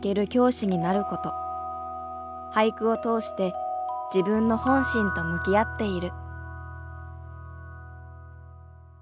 俳句を通して自分の本心と向き合っている。